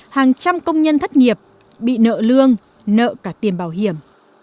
hàng trăm công nhân thất nghiệp bị nợ lương nợ cả tiền bảo hiểm